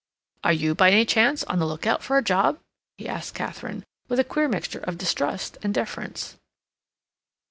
Are you, by any chance, on the look out for a job?" he asked Katharine, with a queer mixture of distrust and deference.